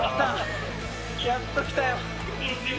やっときたよ。